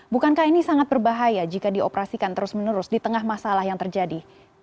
bukankah ini sangat berbahaya jika dioperasikan terus menerus di tengah masalah yang terjadi